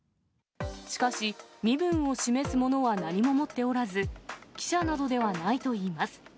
しかし、身分を示すものは何も持っておらず、記者などではないといいます。